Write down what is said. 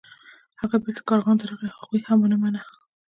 هغه بیرته کارغانو ته راغی خو هغوی هم ونه مانه.